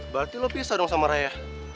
berarti lo pisah dong sama raya